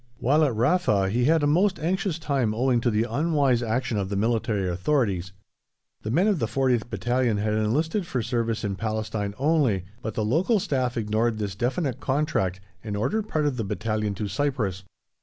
While at Rafa he had a most anxious time owing to the unwise action of the military authorities. The men of the 40th Battalion had enlisted for service in Palestine only, but the local Staff ignored this definite contract and ordered part of the battalion to Cyprus.